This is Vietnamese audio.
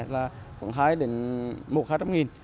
là khoảng hai một hai trăm nghìn